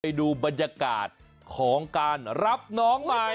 ไปดูบรรยากาศของการรับน้องใหม่